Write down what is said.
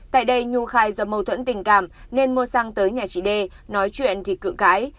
tại đây nhu khai do mâu thuẫn tình cảm nên mua xăng tới nhà chị đê nói chuyện thì cự cái